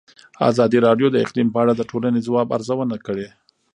ازادي راډیو د اقلیم په اړه د ټولنې د ځواب ارزونه کړې.